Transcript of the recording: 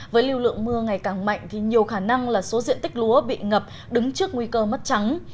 với lưu lượng mưa ngày càng mạnh thì nhiều khả năng là số diện tích lúa bị ngập đứng trước nguy cơ mất trắng